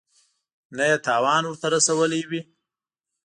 نه یې تاوان ورته رسولی وي.